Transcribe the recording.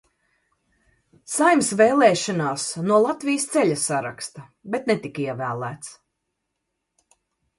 "Saeimas vēlēšanās no "Latvijas Ceļa" saraksta, bet netika ievēlēts."